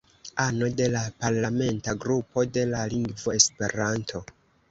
Ano de la Parlamenta Grupo de la Lingvo Esperanto.